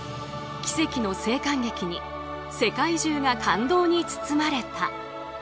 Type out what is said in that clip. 奇跡の生還劇に世界中が感動に包まれた。